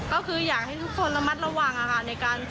ก็คืออยากให้ทุกคนระมัดระวังในการใช้อะไรอย่างนี้